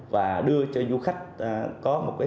và đưa cho du khách có một cái